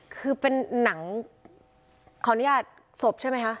คือเป็นหนังขออนุญาตศพใช่ไหมคะ